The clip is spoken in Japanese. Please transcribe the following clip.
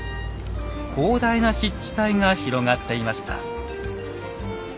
広大な湿地帯が広がっていました。